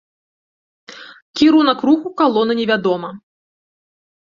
Кірунак руху калоны невядома.